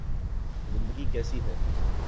زندگی کیسی ہے